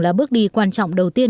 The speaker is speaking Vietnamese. là bước đi quan trọng đầu tiên